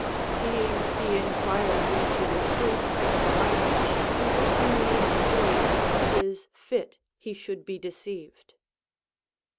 _ "Seeing he inquires into the truth, by which he would be made free, 'tis fit he should be deceived."